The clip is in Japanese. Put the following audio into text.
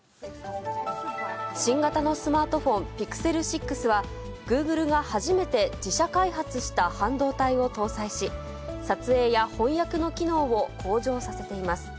新型のスマートフォン、Ｐｉｘｅｌ６はグーグルが初めて自社開発した半導体を搭載し、撮影や翻訳の機能を向上させています。